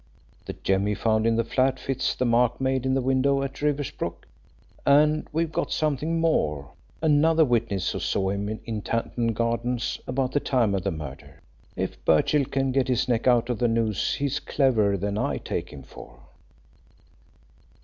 The jemmy found in the flat fits the mark made in the window at Riversbrook, and we've got something more another witness who saw him in Tanton Gardens about the time of the murder. If Birchill can get his neck out of the noose, he's cleverer than I take him for."